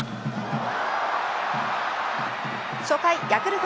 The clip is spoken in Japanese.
初回ヤクルト